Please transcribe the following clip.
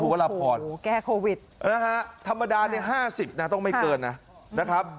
โอ้โหแก้โควิดธรรมดา๕๐ต้องไม่เกินนะนะครับ